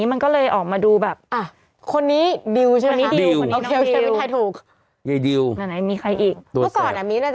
แอร์กับดิวเหมือน